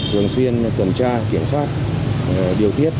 thường xuyên tuần tra kiểm soát điều tiết